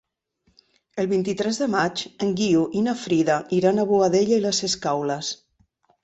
El vint-i-tres de maig en Guiu i na Frida iran a Boadella i les Escaules.